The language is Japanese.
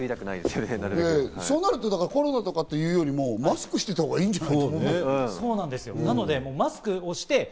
そうなるとコロナとかっていうよりも、マスクしてた方がいいんじゃない？